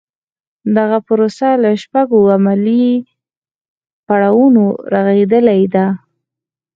دغه پروسه له شپږو عملي پړاوونو رغېدلې ده.